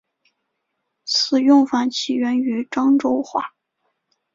此用法起源于漳州话。